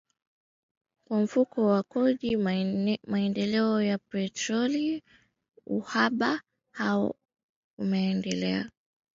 kwa Mfuko wa Kodi ya Maendeleo ya Petroli uhaba huo umeendelea